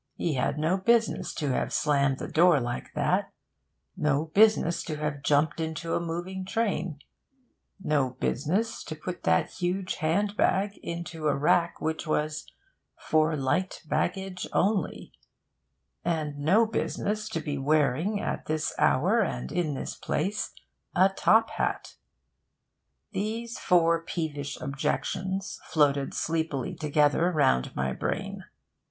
He had no business to have slammed the door like that, no business to have jumped into a moving train, no business to put that huge hand bag into a rack which was 'for light baggage only,' and no business to be wearing, at this hour and in this place, a top hat. These four peevish objections floated sleepily together round my brain.